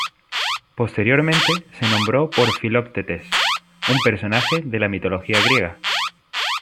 Posteriormente se nombró por Filoctetes, un personaje de la mitología griega.